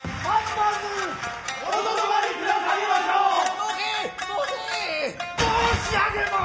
申上げます。